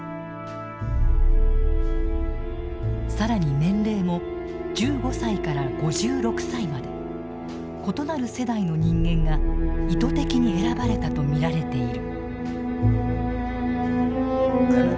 更に年齢も１５歳から５６歳まで異なる世代の人間が意図的に選ばれたと見られている。